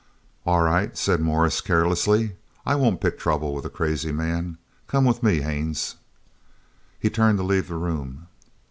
"All right," said Morris carelessly. "I won't pick trouble with a crazy man. Come with me, Haines." He turned to leave the room.